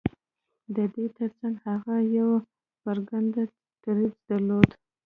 د دې ترڅنګ هغه يو پرېکنده دريځ درلود.